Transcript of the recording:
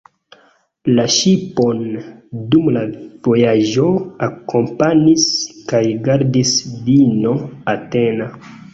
La ŝipon dum la vojaĝo akompanis kaj gardis diino Atena.